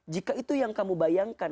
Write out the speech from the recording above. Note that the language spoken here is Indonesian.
jika itu yang kamu bayangkan